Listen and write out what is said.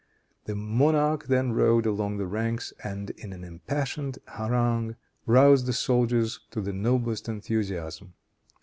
The monarch then rode along the ranks, and, in an impassioned harangue, roused the soldiers to the noblest enthusiasm.